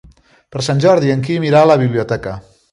Per Sant Jordi en Quim irà a la biblioteca.